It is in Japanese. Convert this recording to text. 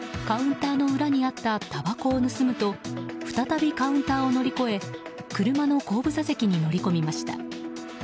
カウンターの裏にあったたばこを盗むと再びカウンターを乗り越え車の後部座席に乗り込みました。